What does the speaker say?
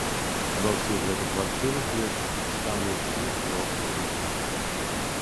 Ва ўсіх гэтых вакцынах ёсць штамы ўсіх трох вірусаў грыпу.